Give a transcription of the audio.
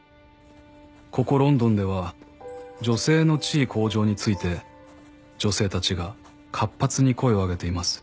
「ここロンドンでは女性の地位向上について女性達が活発に声を上げています」